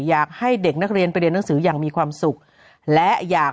อยากให้เด็กนักเรียนไปเรียนหนังสืออย่างมีความสุขและอยาก